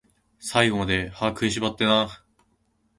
最後まで、歯食いしばってなー